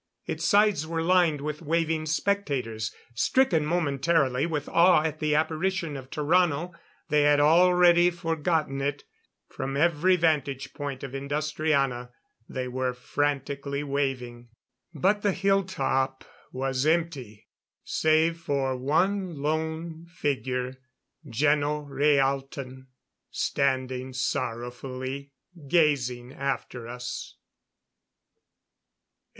Its sides were lined with waving spectators; stricken momentarily with awe at the apparition of Tarrano, they had already forgotten it; from every vantage point of Industriana they were frantically waving. But the hilltop was empty, save for one lone figure Geno Rhaalton standing sorrowfully gazing after us.